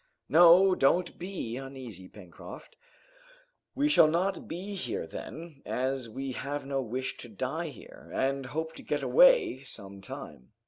"No, don't be uneasy, Pencroft; we shall not be here then, as we have no wish to die here, and hope to get away some time."